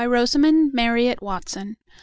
Rosamund Marriott Watson b.